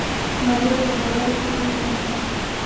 ماريا پر هوارې تيږې کېناسته.